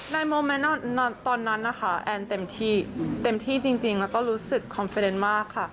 โมเมนต์ตอนนั้นนะคะแอนเต็มที่เต็มที่จริงแล้วก็รู้สึกคอมเฟรนด์มากค่ะ